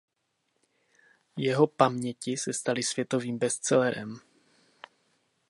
Jeho "Paměti" se staly světovým bestsellerem.